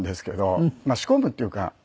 まあ仕込むっていうか